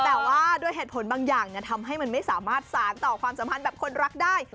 แต่ว่าด้วยเหตุผลบางอย่างทำให้มันไม่สามารถสารต่อความสัมพันธ์แบบคนรักได้